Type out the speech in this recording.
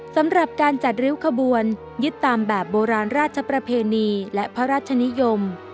สำหรับการจัดริ้วขบวนยึดตามแบบโบราณราชประเพณีและพระราชนิยม